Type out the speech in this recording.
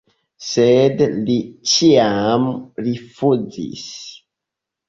Sed li ĉiam rifuzis.